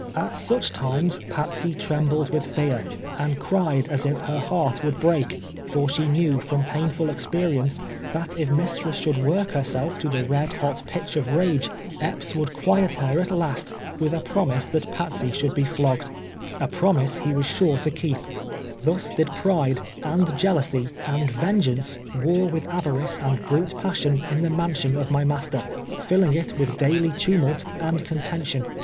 At such times Pat sey trembled with fear, and cried as if her heart would break, for she knew from painful experience, that if mistress should work herself to the red hot pitch of rage, Epps would quiet her at last with a promise that Patsey should be flogged — a promise he was sure to 200 TWELVE YEAItS A SLA\T:. keep. Tims did pride, and jealousy, aTid vengeanco war with avarice and brute passi(in in the mansion of iTiy master, iilling it with daily tumult and conten tion.